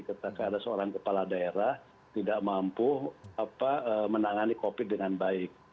ketika ada seorang kepala daerah tidak mampu menangani covid dengan baik